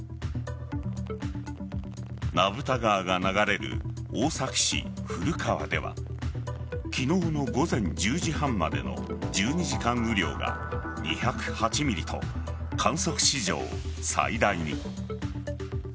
名蓋川が流れる大崎市古川では昨日の午前１０時半までの１２時間雨量が２０８ｍｍと観測史上最大に。